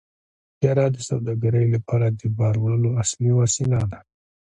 طیاره د سوداګرۍ لپاره د بار وړلو اصلي وسیله ده.